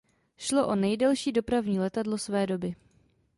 Šlo o nejdelší dopravní letadlo své doby.